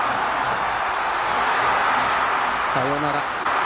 サヨナラ。